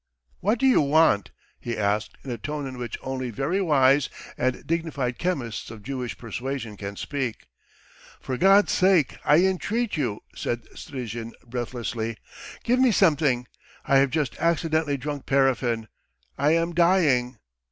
"What do you want?" he asked in a tone in which only very wise and dignified chemists of Jewish persuasion can speak. "For God's sake ... I entreat you ..." said Strizhin breathlessly, "give me something. I have just accidentally drunk paraffin, I am dying!"